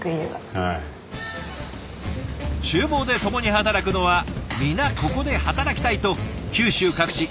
厨房で共に働くのは皆ここで働きたいと九州各地